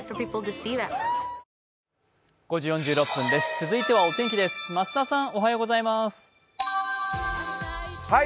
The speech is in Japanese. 続いてはお天気です増田さん。